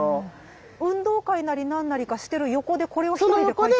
運動会なり何なりかしてる横でこれを一人で書いてる？